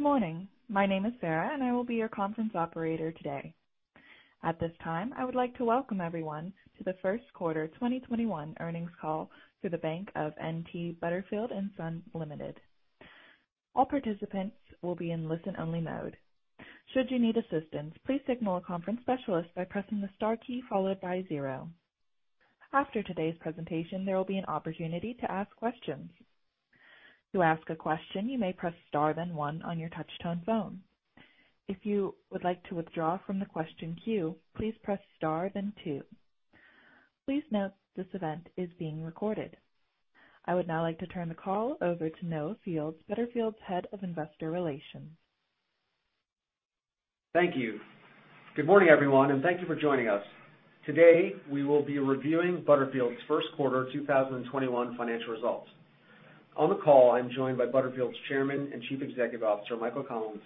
Good morning. My name is Sarah and I will be your conference operator today. At this time, I would like to welcome everyone to the first quarter 2021 earnings call for The Bank of N.T. Butterfield & Son Limited. All participants will be in listen only mode. Should you need assistance, please signal a conference specialist by pressing the star key followed by zero. After today's presentation, there will be an opportunity to ask questions. To ask a question, you may press star then one on your touch tone phone. If you would like to withdraw from the question queue, please press star then two. Please note this event is being recorded. I would now like to turn the call over to Noah Fields, Butterfield's Head of Investor Relations. Thank you. Good morning everyone, and thank you for joining us. Today, we will be reviewing Butterfield's first quarter 2021 financial results. On the call, I'm joined by Butterfield's Chairman and Chief Executive Officer, Michael Collins,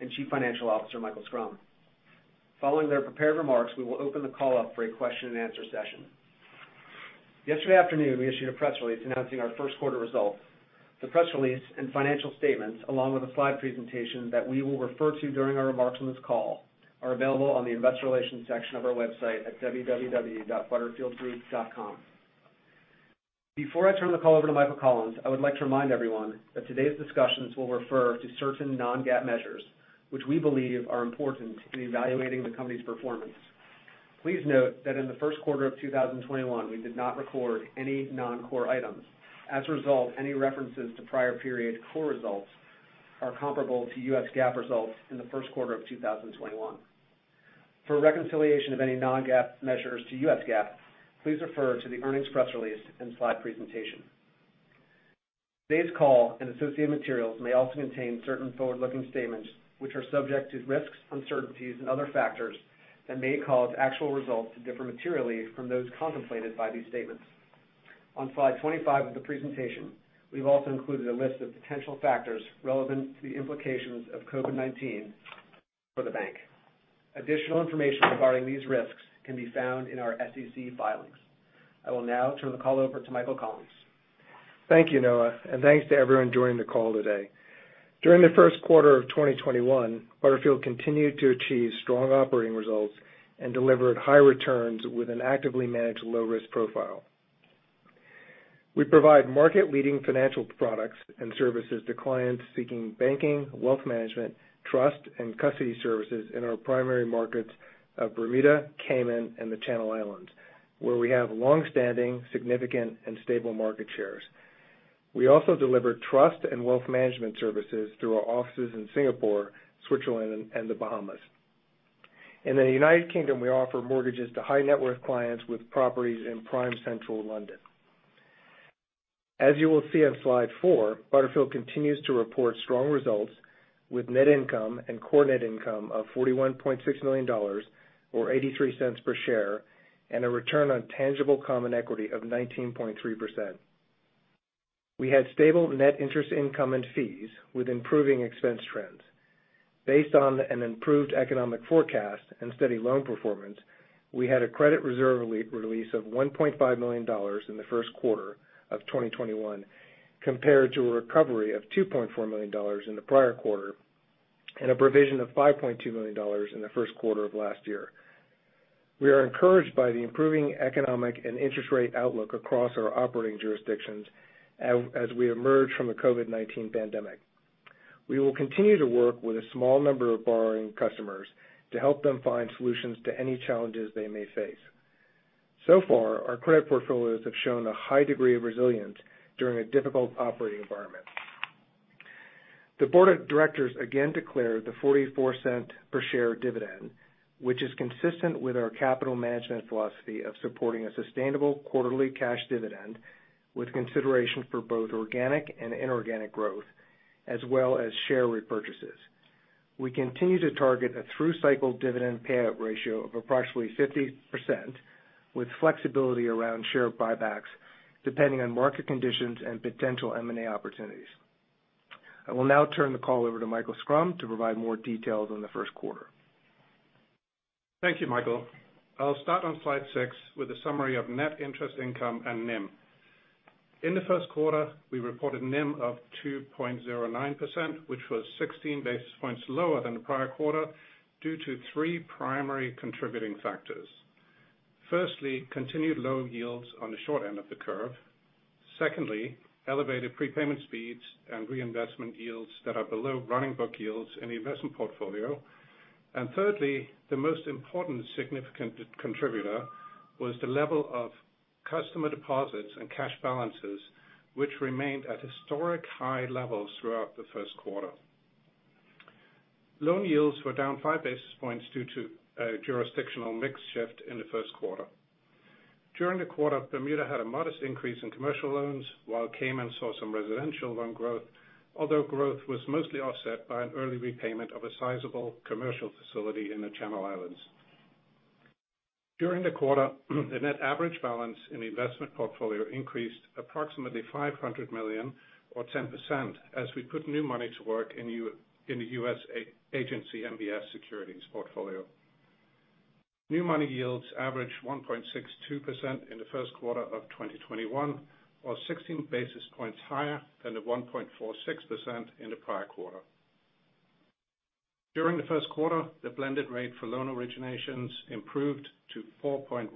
and Chief Financial Officer, Michael Schrum. Following their prepared remarks, we will open the call up for a question and answer session. Yesterday afternoon, we issued a press release announcing our first quarter results. The press release and financial statements, along with a slide presentation that we will refer to during our remarks on this call, are available on the investor relations section of our website at www.butterfieldgroup.com. Before I turn the call over to Michael Collins, I would like to remind everyone that today's discussions will refer to certain non-GAAP measures, which we believe are important in evaluating the company's performance. Please note that in the first quarter of 2021, we did not record any non-core items. As a result, any references to prior period core results are comparable to U.S. GAAP results in the first quarter of 2021. For a reconciliation of any non-GAAP measures to U.S. GAAP, please refer to the earnings press release and slide presentation. Today's call and associated materials may also contain certain forward-looking statements, which are subject to risks, uncertainties, and other factors that may cause actual results to differ materially from those contemplated by these statements. On slide 25 of the presentation, we've also included a list of potential factors relevant to the implications of COVID-19 for the bank. Additional information regarding these risks can be found in our SEC filings. I will now turn the call over to Michael Collins. Thank you, Noah, and thanks to everyone joining the call today. During the first quarter of 2021, Butterfield continued to achieve strong operating results and delivered high returns with an actively managed low risk profile. We provide market leading financial products and services to clients seeking banking, wealth management, trust, and custody services in our primary markets of Bermuda, Cayman, and the Channel Islands, where we have longstanding, significant, and stable market shares. We also deliver trust and wealth management services through our offices in Singapore, Switzerland, and the Bahamas. In the U.K., we offer mortgages to high net worth clients with properties in prime central London. As you will see on slide four, Butterfield continues to report strong results with net income and core net income of $41.6 million, or $0.83 per share, and a return on tangible common equity of 19.3%. We had stable net interest income and fees with improving expense trends. Based on an improved economic forecast and steady loan performance, we had a credit reserve release of $1.5 million in the first quarter of 2021, compared to a recovery of $2.4 million in the prior quarter, and a provision of $5.2 million in the first quarter of last year. We are encouraged by the improving economic and interest rate outlook across our operating jurisdictions as we emerge from the COVID-19 pandemic. We will continue to work with a small number of borrowing customers to help them find solutions to any challenges they may face. So far, our credit portfolios have shown a high degree of resilience during a difficult operating environment. The board of directors again declared the $0.44 per share dividend, which is consistent with our capital management philosophy of supporting a sustainable quarterly cash dividend, with consideration for both organic and inorganic growth, as well as share repurchases. We continue to target a through cycle dividend payout ratio of approximately 50%, with flexibility around share buybacks depending on market conditions and potential M&A opportunities. I will now turn the call over to Michael Schrum to provide more details on the first quarter. Thank you, Michael. I'll start on slide six with a summary of net interest income and NIM. In the first quarter, we reported NIM of 2.09%, which was 16 basis points lower than the prior quarter due to three primary contributing factors. Firstly, continued low yields on the short end of the curve. Secondly, elevated prepayment speeds and reinvestment yields that are below running book yields in the investment portfolio. Thirdly, the most important significant contributor was the level of customer deposits and cash balances, which remained at historic high levels throughout the first quarter. Loan yields were down five basis points due to a jurisdictional mix shift in the first quarter. During the quarter, Bermuda had a modest increase in commercial loans while Cayman saw some residential loan growth, although growth was mostly offset by an early repayment of a sizable commercial facility in the Channel Islands. During the quarter, the net average balance in the investment portfolio increased approximately $500 million or 10% as we put new money to work in the U.S. agency MBS securities portfolio. New money yields average 1.62% in the first quarter of 2021, or 16 basis points higher than the 1.46% in the prior quarter. During the first quarter, the blended rate for loan originations improved to 4.15%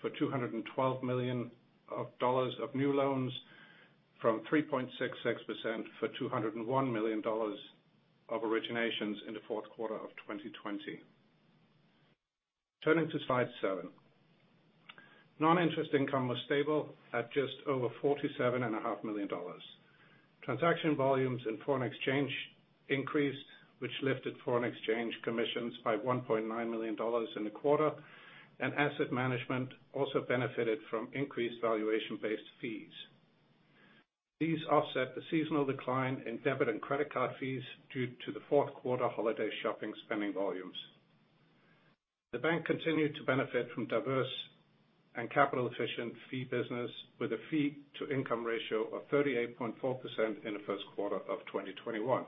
for $212 million of new loans from 3.66% for $201 million of originations in the fourth quarter of 2020. Turning to slide seven. Non-interest income was stable at just over $47.5 million. Transaction volumes in foreign exchange increased, which lifted foreign exchange commissions by $1.9 million in the quarter, and asset management also benefited from increased valuation-based fees. These offset the seasonal decline in debit and credit card fees due to the fourth quarter holiday shopping spending volumes. The bank continued to benefit from diverse and capital-efficient fee business with a fee to income ratio of 38.4% in the first quarter of 2021.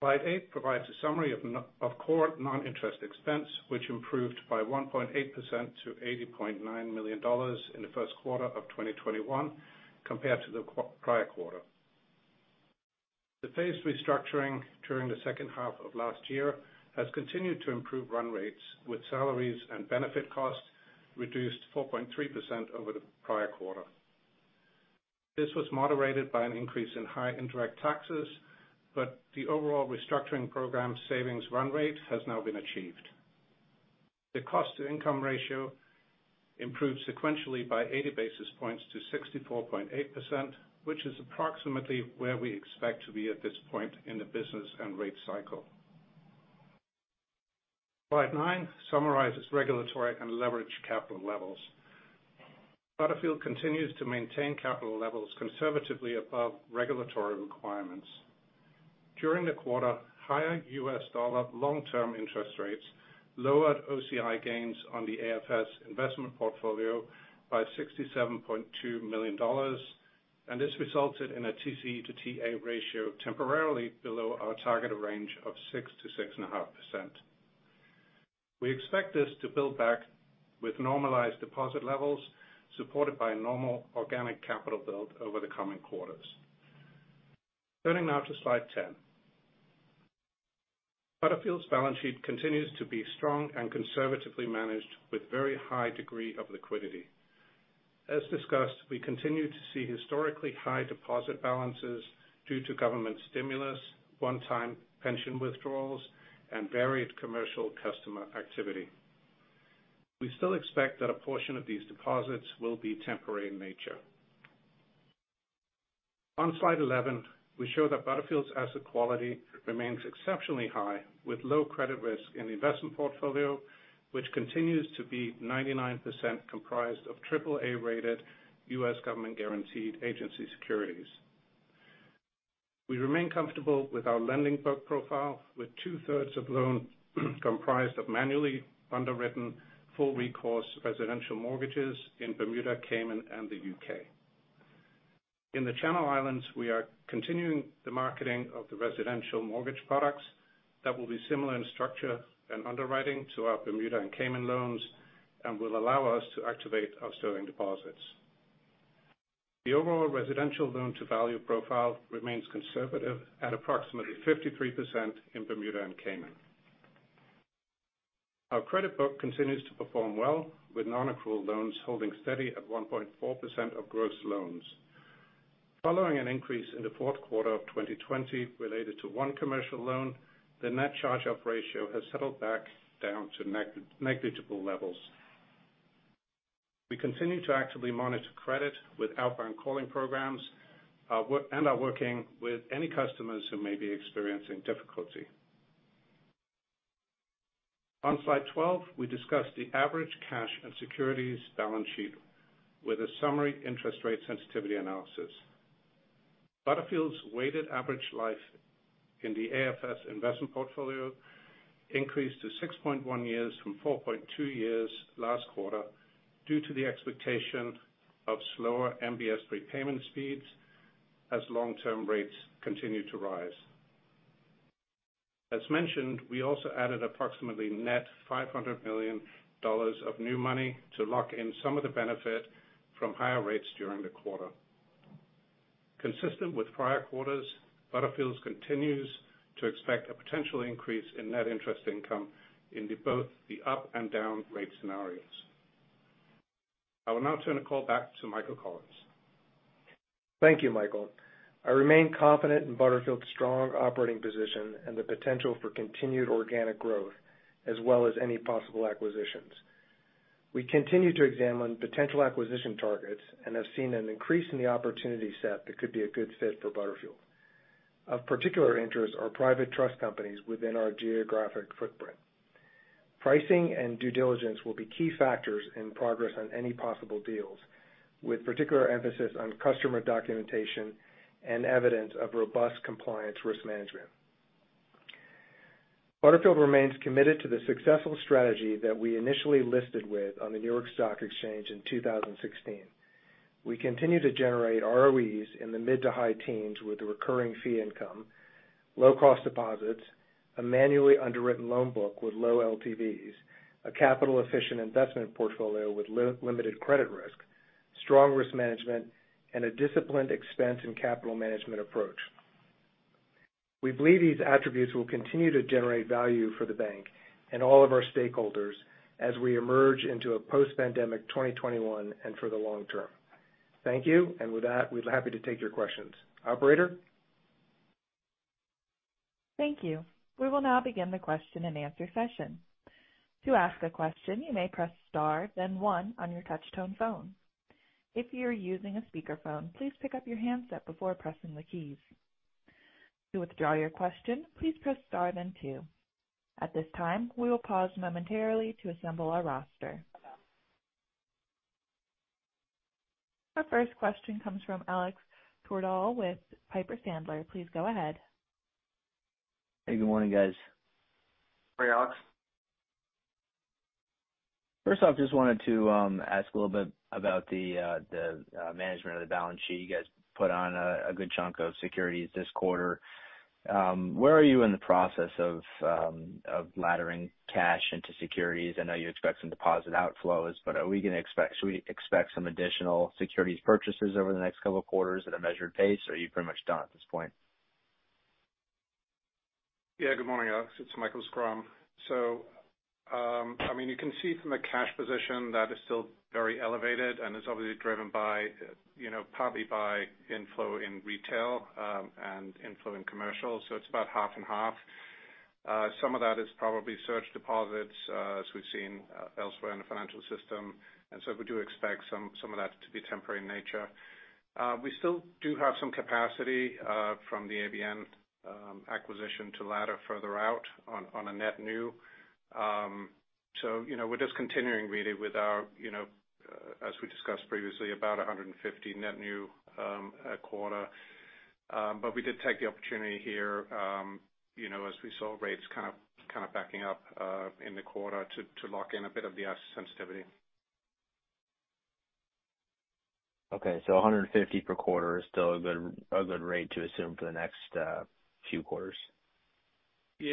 Slide eight provides a summary of core non-interest expense, which improved by 1.8% to $80.9 million in the first quarter of 2021 compared to the prior quarter. The phased restructuring during the second half of last year has continued to improve run rates, with salaries and benefit costs reduced 4.3% over the prior quarter. This was moderated by an increase in high indirect taxes, but the overall restructuring program savings run rate has now been achieved. The cost-to-income ratio improved sequentially by 80 basis points to 64.8%, which is approximately where we expect to be at this point in the business and rate cycle. Slide nine summarizes regulatory and leverage capital levels. Butterfield continues to maintain capital levels conservatively above regulatory requirements. During the quarter, higher U.S. dollar long-term interest rates lowered OCI gains on the AFS investment portfolio by $67.2 million, and this resulted in a TCE to TA ratio temporarily below our targeted range of 6%-6.5%. We expect this to build back with normalized deposit levels, supported by normal organic capital build over the coming quarters. Turning now to slide 10. Butterfield's balance sheet continues to be strong and conservatively managed with very high degree of liquidity. As discussed, we continue to see historically high deposit balances due to government stimulus, one-time pension withdrawals, and varied commercial customer activity. We still expect that a portion of these deposits will be temporary in nature. On slide 11, we show that Butterfield's asset quality remains exceptionally high with low credit risk in the investment portfolio, which continues to be 99% comprised of triple A-rated U.S. government-guaranteed agency securities. We remain comfortable with our lending book profile, with 2/3 of loans comprised of manually underwritten full recourse residential mortgages in Bermuda, Cayman, and the U.K. In the Channel Islands, we are continuing the marketing of the residential mortgage products that will be similar in structure and underwriting to our Bermuda and Cayman loans and will allow us to activate our sterling deposits. The overall residential loan to value profile remains conservative at approximately 53% in Bermuda and Cayman. Our credit book continues to perform well with non-accrual loans holding steady at 1.4% of gross loans. Following an increase in the fourth quarter of 2020 related to one commercial loan, the net charge-off ratio has settled back down to negligible levels. We continue to actively monitor credit with outbound calling programs and are working with any customers who may be experiencing difficulty. On slide 12, we discuss the average cash and securities balance sheet with a summary interest rate sensitivity analysis. Butterfield's weighted average life in the AFS investment portfolio increased to 6.1 years from 4.2 years last quarter due to the expectation of slower MBS repayment speeds as long-term rates continue to rise. As mentioned, we also added approximately net $500 million of new money to lock in some of the benefit from higher rates during the quarter. Consistent with prior quarters, Butterfield continues to expect a potential increase in net interest income in both the up and down rate scenarios. I will now turn the call back to Michael Collins. Thank you, Michael. I remain confident in Butterfield's strong operating position and the potential for continued organic growth, as well as any possible acquisitions. We continue to examine potential acquisition targets and have seen an increase in the opportunity set that could be a good fit for Butterfield. Of particular interest are private trust companies within our geographic footprint. Pricing and due diligence will be key factors in progress on any possible deals, with particular emphasis on customer documentation and evidence of robust compliance risk management. Butterfield remains committed to the successful strategy that we initially listed with on the New York Stock Exchange in 2016. We continue to generate ROEs in the mid to high teens with recurring fee income, low cost deposits, a manually underwritten loan book with low LTVs, a capital efficient investment portfolio with limited credit risk, strong risk management, and a disciplined expense in capital management approach. We believe these attributes will continue to generate value for the bank and all of our stakeholders as we emerge into a post-pandemic 2021 and for the long term. Thank you. With that, we're happy to take your questions. Operator? Thank you. We will now begin the question and answer session. To ask a question, you may press star then one on your touch-tone phone. If you're using a speakerphone, please pick up your handset before pressing the keys. To withdraw your question, please press star then two. At this time, we will pause momentarily to assemble our roster. Our first question comes from Alex Twerdahl with Piper Sandler. Please go ahead. Hey, good morning guys. Morning, Alex. First off, just wanted to ask a little bit about the management of the balance sheet. You guys put on a good chunk of securities this quarter. Where are you in the process of laddering cash into securities? I know you expect some deposit outflows, but should we expect some additional securities purchases over the next couple of quarters at a measured pace, or are you pretty much done at this point? Yeah. Good morning, Alex. It's Michael Schrum. You can see from a cash position that is still very elevated and is obviously driven partly by inflow in retail and inflow in commercial. It's about 50/50. Some of that is probably surge deposits as we've seen elsewhere in the financial system. We do expect some of that to be temporary in nature. We still do have some capacity from the ABN acquisition to ladder further out on a net new. We're just continuing really with our, as we discussed previously, about 150 net new a quarter. We did take the opportunity here as we saw rates kind of backing up in the quarter to lock in a bit of the asset sensitivity. Okay, $150 per quarter is still a good rate to assume for the next few quarters. We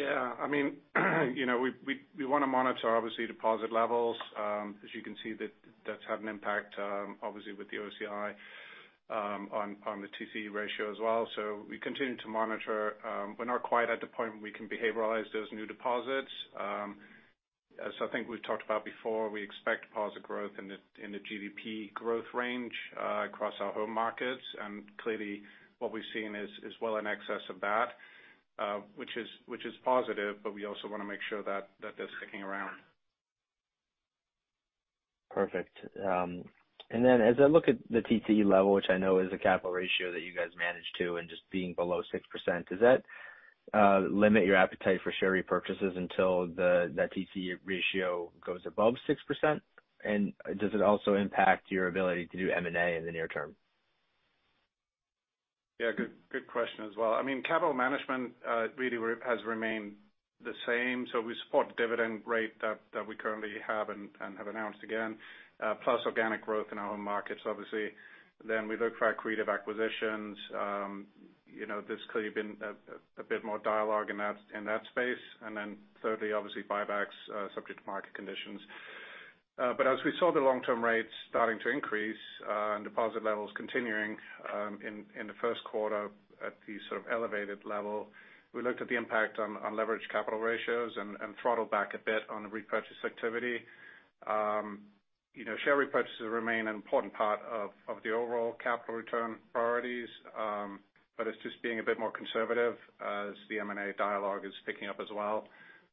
want to monitor, obviously, deposit levels. As you can see that's had an impact, obviously with the OCI on the TCE ratio as well. We continue to monitor. We're not quite at the point we can behavioralize those new deposits. As I think we've talked about before, we expect deposit growth in the GDP growth range across our home markets. Clearly what we've seen is well in excess of that which is positive, but we also want to make sure that that's sticking around. As I look at the TCE level, which I know is a capital ratio that you guys manage to and just being below 6%, does that limit your appetite for share repurchases until that TCE ratio goes above 6%? Does it also impact your ability to do M&A in the near term? Good question as well. Capital management really has remained the same. We support the dividend rate that we currently have and have announced again, plus organic growth in our home markets, obviously. We look for accretive acquisitions. There's clearly been a bit more dialogue in that space. Thirdly, obviously buybacks subject to market conditions. As we saw the long-term rates starting to increase and deposit levels continuing in the first quarter at the sort of elevated level, we looked at the impact on leveraged capital ratios and throttled back a bit on the repurchase activity. Share repurchases remain an important part of the overall capital return priorities. It's just being a bit more conservative as the M&A dialogue is picking up as well.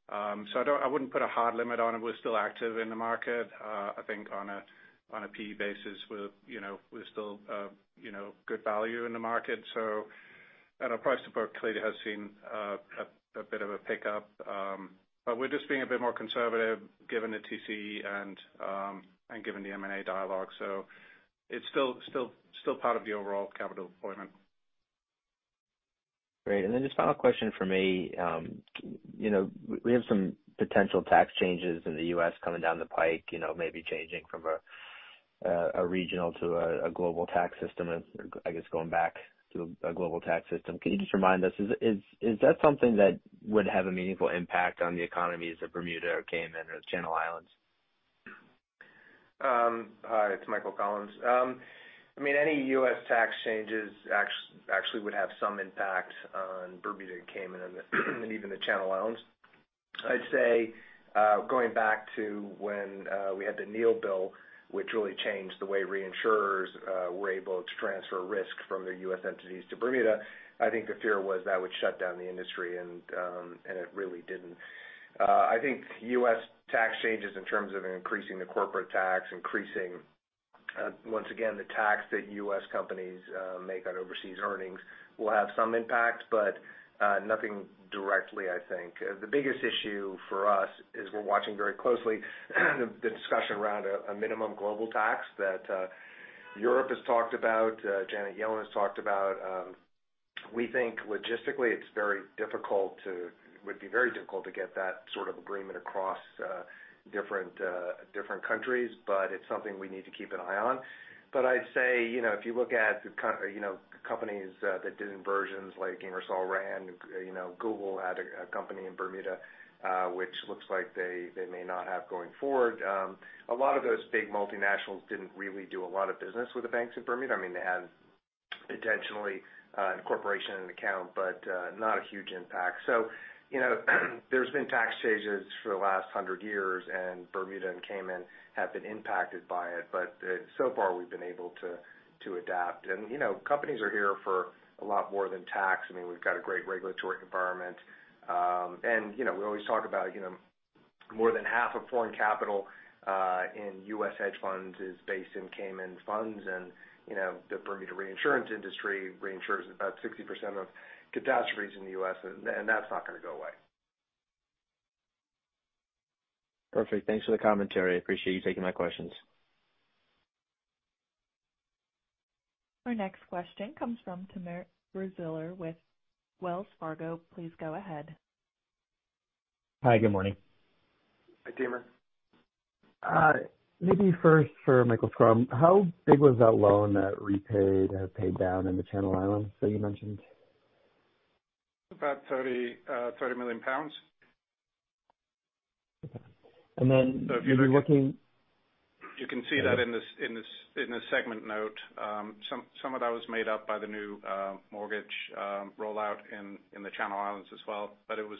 I wouldn't put a hard limit on it. We're still active in the market. I think on a PE basis, we're still good value in the market. And our price to book clearly has seen a bit of a pickup. We're just being a bit more conservative given the TCE and given the M&A dialogue. It's still part of the overall capital deployment. Great. Just final question from me. We have some potential tax changes in the U.S. coming down the pike maybe changing from a regional to a global tax system, and I guess going back to a global tax system. Can you just remind us, is that something that would have a meaningful impact on the economies of Bermuda or Cayman or the Channel Islands? Hi, it's Michael Collins. Any U.S. tax changes actually would have some impact on Bermuda and Cayman and even the Channel Islands. I'd say going back to when we had the Neal bill, which really changed the way reinsurers were able to transfer risk from their U.S. entities to Bermuda, I think the fear was that would shut down the industry and it really didn't. I think U.S. tax changes in terms of increasing the corporate tax, increasing, once again, the tax that U.S. companies make on overseas earnings will have some impact, but nothing directly, I think. The biggest issue for us is we're watching very closely the discussion around a minimum global tax that Europe has talked about, Janet Yellen has talked about. We think logistically it would be very difficult to get that sort of agreement across different countries. It's something we need to keep an eye on. I'd say, if you look at the companies that did inversions, like Ingersoll Rand, Google had a company in Bermuda, which looks like they may not have going forward. A lot of those big multinationals didn't really do a lot of business with the banks in Bermuda. They had intentionally a corporation and an account, but not a huge impact. There's been tax changes for the last 100 years, and Bermuda and Cayman have been impacted by it. So far, we've been able to adapt. Companies are here for a lot more than tax. We've got a great regulatory environment. We always talk about more than half of foreign capital in U.S. hedge funds is based in Cayman funds and the Bermuda reinsurance industry reinsures about 60% of catastrophes in the U.S., and that's not going to go away. Perfect. Thanks for the commentary. Appreciate you taking my questions. Our next question comes from Timur Braziler with Wells Fargo. Please go ahead. Hi, good morning. Hi, Timur. Maybe first for Michael Schrum. How big was that loan that repaid or paid down in the Channel Islands that you mentioned? About 30 million pounds. Okay. if you're looking- You can see that in the segment note. Some of that was made up by the new mortgage rollout in the Channel Islands as well, but it was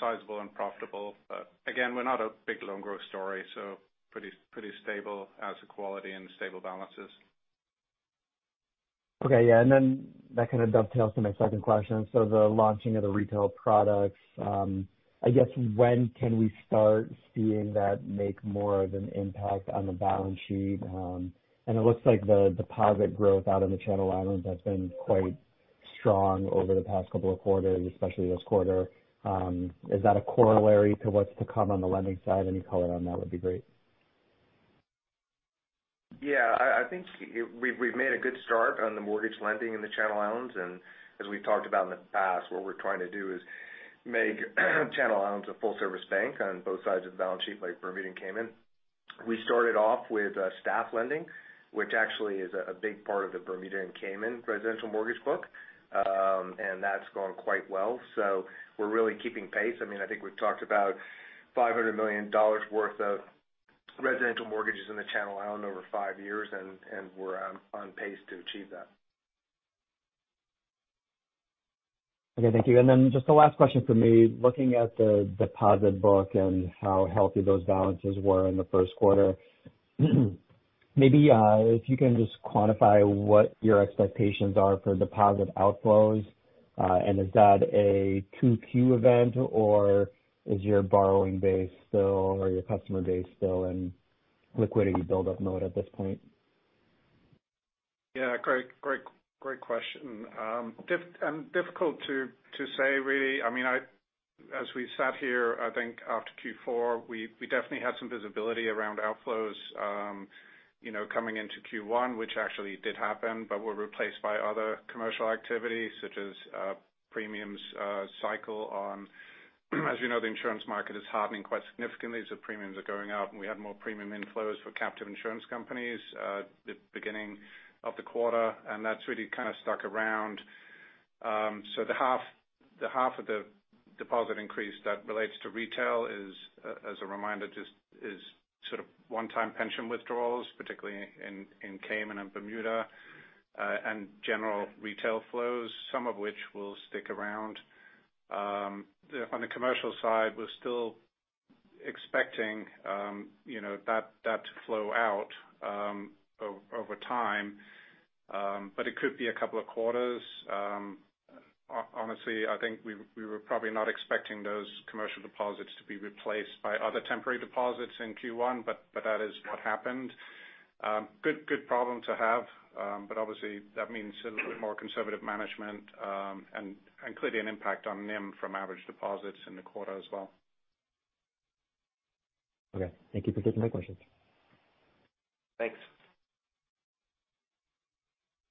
sizable and profitable. Again, we're not a big loan growth story, so pretty stable asset quality and stable balances. Okay. Yeah. That kind of dovetails to my second question. The launching of the retail products, I guess, when can we start seeing that make more of an impact on the balance sheet? It looks like the deposit growth out in the Channel Islands has been quite strong over the past couple of quarters, especially this quarter. Is that a corollary to what's to come on the lending side? Any color on that would be great. I think we've made a good start on the mortgage lending in the Channel Islands, and as we've talked about in the past, what we're trying to do is make Channel Islands a full-service bank on both sides of the balance sheet, like Bermuda and Cayman. We started off with staff lending, which actually is a big part of the Bermuda and Cayman residential mortgage book. That's gone quite well. We're really keeping pace. I think we've talked about $500 million worth of residential mortgages in the Channel Islands over five years, and we're on pace to achieve that. Okay, thank you. Just the last question from me, looking at the deposit book and how healthy those balances were in the first quarter. Maybe if you can just quantify what your expectations are for deposit outflows, and is that a Q2 event, or is your borrowing base still, or your customer base still in liquidity buildup mode at this point? Yeah. Great question. Difficult to say, really. As we sat here, I think after Q4, we definitely had some visibility around outflows coming into Q1, which actually did happen, but were replaced by other commercial activities, such as premiums cycle. As we know, the insurance market is hardening quite significantly, so premiums are going up, and we had more premium inflows for captive insurance companies the beginning of the quarter. That's really kind of stuck around. The half of the deposit increase that relates to retail is, as a reminder, just sort of one-time pension withdrawals, particularly in Cayman and Bermuda, and general retail flows, some of which will stick around. On the commercial side, we're still expecting that to flow out over time. It could be a couple of quarters. I think we were probably not expecting those commercial deposits to be replaced by other temporary deposits in Q1, that is what happened. Good problem to have. Obviously, that means a little bit more conservative management, and clearly an impact on NIM from average deposits in the quarter as well. Okay. Thank you for taking my questions. Thanks.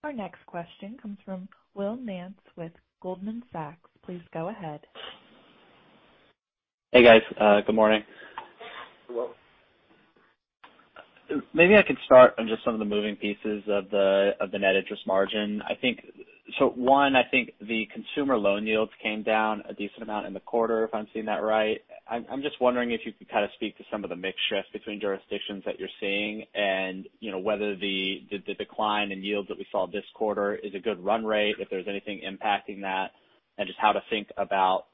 Our next question comes from Will Nance with Goldman Sachs. Please go ahead. Hey, guys. Good morning. Hello. Maybe I could start on just some of the moving pieces of the net interest margin. One, I think the consumer loan yields came down a decent amount in the quarter, if I'm seeing that right. I'm just wondering if you could kind of speak to some of the mix shift between jurisdictions that you're seeing, and whether the decline in yields that we saw this quarter is a good run rate, if there's anything impacting that, and just how to think about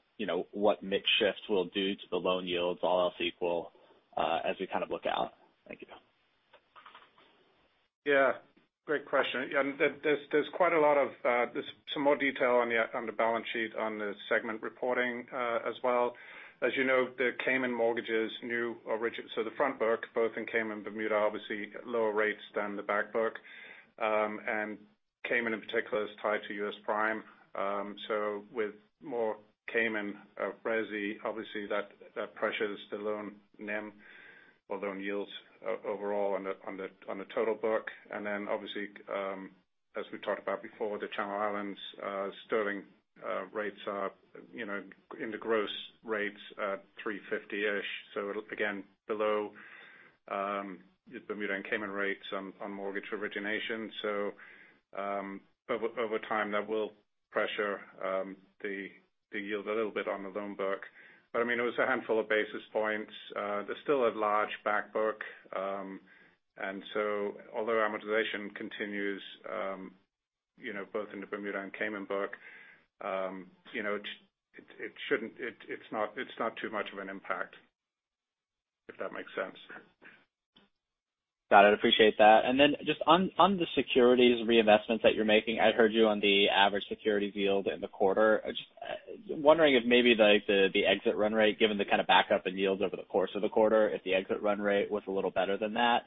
what mix shifts will do to the loan yields all else equal as we kind of look out? Thank you. Great question. There's some more detail on the balance sheet on the segment reporting as well. As you know, the Cayman mortgages new origin. The front book, both in Cayman and Bermuda, obviously lower rates than the back book. Cayman in particular is tied to U.S. Prime. With more Cayman resi, obviously that pressures the loan NIM. Loan yields overall on the total book, obviously, as we've talked about before, the Channel Islands sterling rates are in the gross rates at 350-ish, so again, below the Bermuda and Cayman rates on mortgage origination. Over time that will pressure the yield a little bit on the loan book. It was a handful of basis points. There's still a large back book. Although amortization continues both in the Bermuda and Cayman book, it's not too much of an impact, if that makes sense. Got it. Appreciate that. Then just on the securities reinvestments that you're making, I heard you on the average securities yield in the quarter. I'm just wondering if maybe the exit run rate, given the kind of backup in yields over the course of the quarter, if the exit run rate was a little better than that.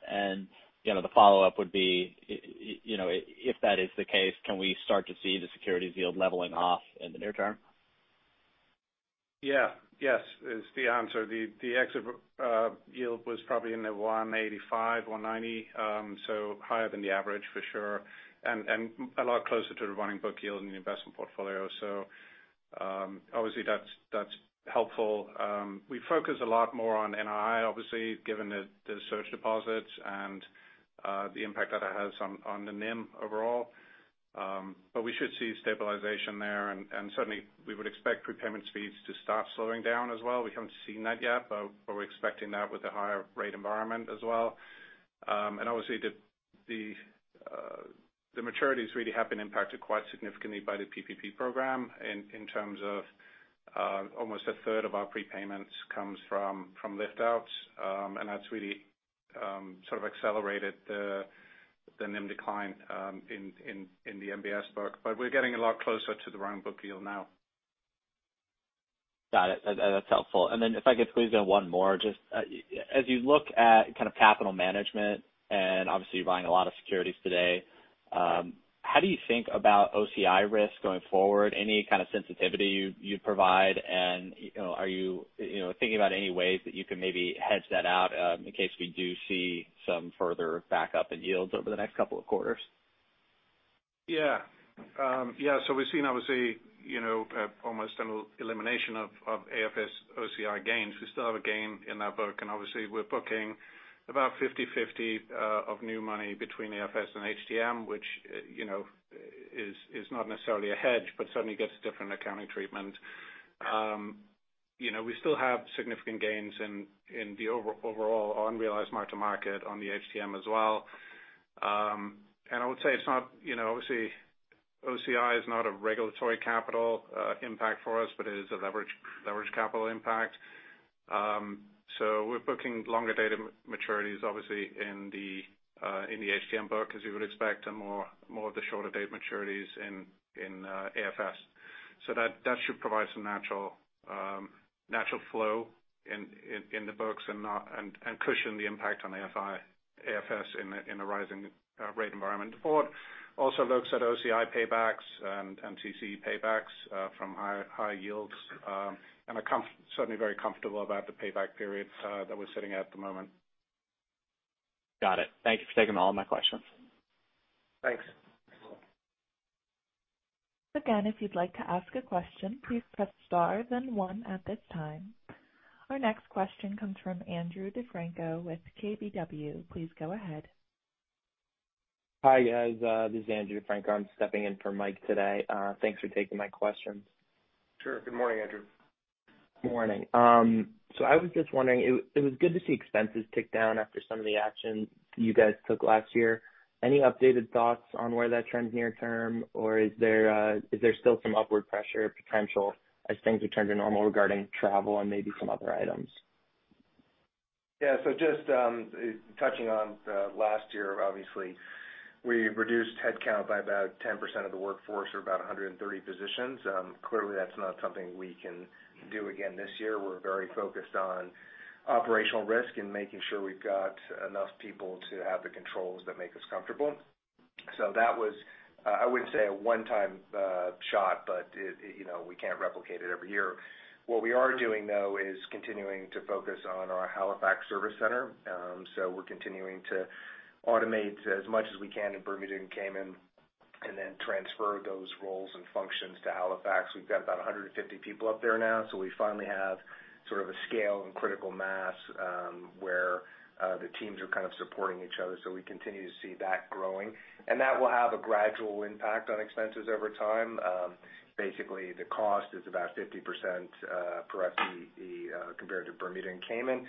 The follow-up would be if that is the case, can we start to see the securities yield leveling off in the near term? Yes is the answer. The exit yield was probably in the 185, 190, so higher than the average for sure, and a lot closer to the running book yield in the investment portfolio. Obviously that's helpful. We focus a lot more on NII, obviously, given the surge deposits and the impact that it has on the NIM overall. We should see stabilization there, and certainly we would expect prepayment speeds to stop slowing down as well. We haven't seen that yet, but we're expecting that with the higher rate environment as well. Obviously the maturities really have been impacted quite significantly by the PPP program in terms of almost a third of our prepayments comes from lift-outs, and that's really sort of accelerated the NIM decline in the MBS book. We're getting a lot closer to the running book yield now. Got it. That's helpful. Then if I could please get one more. Just as you look at kind of capital management, and obviously you're buying a lot of securities today, how do you think about OCI risk going forward? Any kind of sensitivity you'd provide? Are you thinking about any ways that you could maybe hedge that out in case we do see some further backup in yields over the next couple of quarters? We've seen, obviously almost an elimination of AFS OCI gains. We still have a gain in our book, and obviously we're booking about 50/50 of new money between AFS and HTM, which is not necessarily a hedge, but certainly gets a different accounting treatment. We still have significant gains in the overall unrealized Mark-to-Market on the HTM as well. I would say, obviously OCI is not a regulatory capital impact for us, but it is a leverage capital impact. We're booking longer-dated maturities obviously in the HTM book as you would expect, and more of the shorter-date maturities in AFS. That should provide some natural flow in the books and cushion the impact on AFS in the rising rate environment. The board also looks at OCI paybacks and [MTC] paybacks from higher yields and are certainly very comfortable about the payback periods that we're sitting at the moment. Got it. Thank you for taking all my questions. Thanks. Again, if you'd like to ask a question, please press star then one at this time. Our next question comes from Andrew DeFranco with KBW. Please go ahead. Hi, guys. This is Andrew Defranco. I am stepping in for Mike today. Thanks for taking my questions. Sure. Good morning, Andrew. Morning. I was just wondering, it was good to see expenses tick down after some of the action you guys took last year. Any updated thoughts on where that trends near term, or is there still some upward pressure potential as things return to normal regarding travel and maybe some other items? Yeah. Just touching on last year, obviously, we reduced headcount by about 10% of the workforce or about 130 positions. Clearly, that's not something we can do again this year. We're very focused on operational risk and making sure we've got enough people to have the controls that make us comfortable. That was, I wouldn't say a one-time shot, but we can't replicate it every year. What we are doing though is continuing to focus on our Halifax service center. We're continuing to automate as much as we can in Bermuda and Cayman, and then transfer those roles and functions to Halifax. We've got about 150 people up there now, so we finally have sort of a scale and critical mass where the teams are kind of supporting each other. We continue to see that growing. That will have a gradual impact on expenses over time. Basically, the cost is about 50% per FTE compared to Bermuda and Cayman.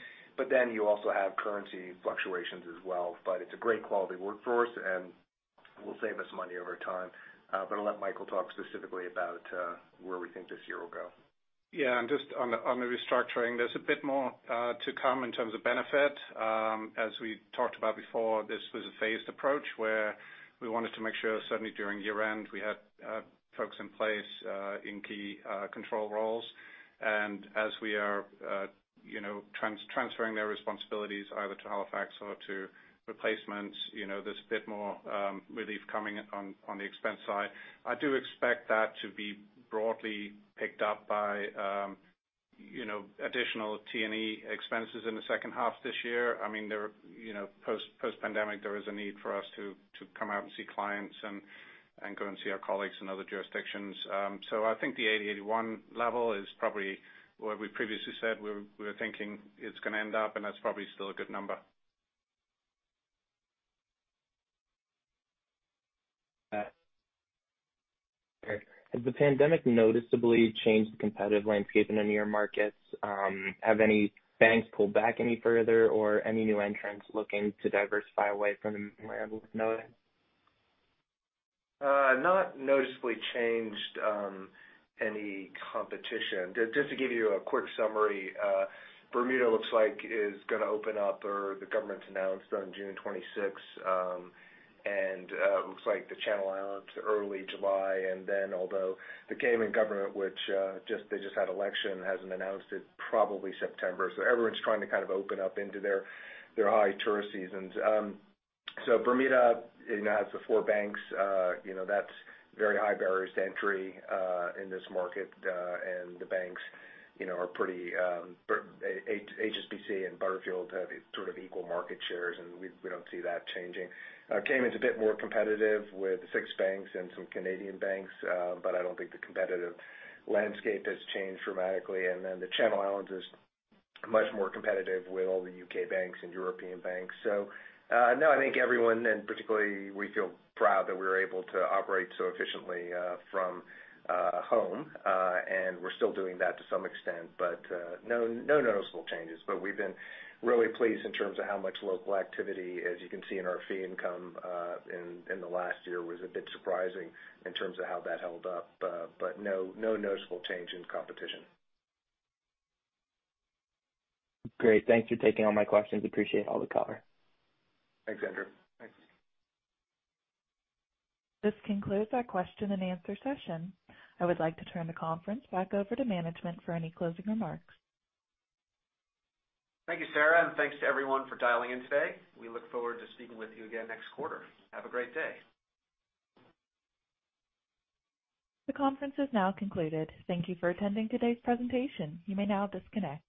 You also have currency fluctuations as well. It's a great quality workforce, and will save us money over time. I'll let Michael talk specifically about where we think this year will go. Just on the restructuring, there's a bit more to come in terms of benefit. As we talked about before, this was a phased approach where we wanted to make sure certainly during year-end we had folks in place in key control roles. As we are transferring their responsibilities either to Halifax or to replacements, there's a bit more relief coming on the expense side. I do expect that to be broadly picked up by additional T&E expenses in the second half this year. Post-pandemic, there is a need for us to come out and see clients and go and see our colleagues in other jurisdictions. I think the 80/81 level is probably what we previously said we were thinking it's going to end up, and that's probably still a good number. Has the pandemic noticeably changed the competitive landscape in any of your markets? Have any banks pulled back any further or any new entrants looking to diversify away from? Not noticeably changed any competition. Just to give you a quick summary. Bermuda looks like it is going to open up, or the government's announced on June 26th, and looks like the Channel Islands, early July, and then although the Cayman government, which they just had election, hasn't announced it, probably September. Everyone's trying to kind of open up into their high tourist seasons. Bermuda has the four banks. That's very high barriers to entry in this market. The banks are pretty HSBC and Butterfield have sort of equal market shares, and we don't see that changing. Cayman's a bit more competitive with six banks and some Canadian banks. I don't think the competitive landscape has changed dramatically. The Channel Islands is much more competitive with all the U.K. banks and European banks. No, I think everyone, and particularly we feel proud that we're able to operate so efficiently from home. We're still doing that to some extent, but no noticeable changes. We've been really pleased in terms of how much local activity, as you can see in our fee income in the last year, was a bit surprising in terms of how that held up. No noticeable change in competition. Great. Thanks for taking all my questions. Appreciate all the color. Thanks, Andrew. Thanks. This concludes our question and answer session. I would like to turn the conference back over to management for any closing remarks. Thank you, Sarah. Thanks to everyone for dialing in today. We look forward to speaking with you again next quarter. Have a great day. The conference has now concluded. Thank you for attending today's presentation. You may now disconnect.